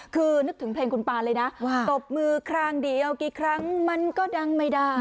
คือนึกถึงเพลงคุณปานเลยนะว่าตบมือครั้งเดียวกี่ครั้งมันก็ดังไม่ได้